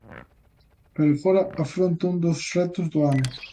Pero agora afronta un dos retos do ano.